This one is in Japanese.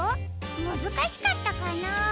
むずかしかったかな？